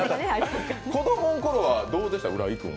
子供のころはどうでした、浦井君は。